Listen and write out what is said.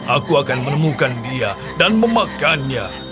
aku akan menemukan dia dan memakannya